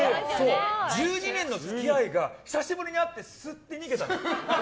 １２年の付き合いが久しぶりに会って、すって逃げた。